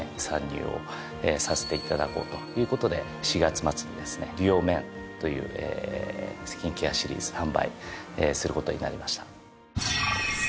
参入をさせていただこうということで４月末にですね「ＤＵＯｍｅｎ」というスキンケアシリーズ販売することになりました。